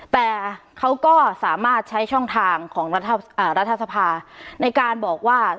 แต่เขาก็สามารถใช้ช่องทางของรัฐสภาในการบอกว่า